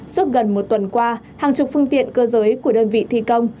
suốt gần một tuần qua hàng chục phương tiện cơ giới của đơn vị thi công